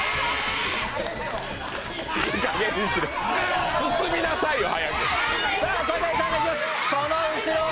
いいかげんにしろ進みなさいよ、早く！